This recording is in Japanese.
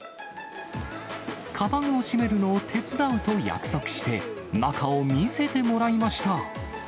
かばんを閉めるのを手伝うと約束して、中を見せてもらいました。